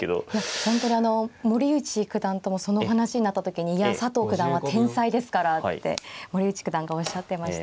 本当にあの森内九段ともその話になった時にいや佐藤九段は天才ですからって森内九段がおっしゃってました。